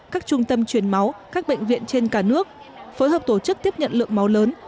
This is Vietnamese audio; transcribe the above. các trung tâm truyền máu các bệnh viện trên cả nước phối hợp tổ chức tiếp nhận lượng máu lớn